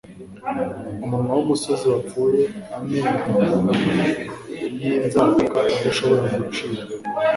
Umunwa wumusozi wapfuye amenyo yinzaduka adashobora gucira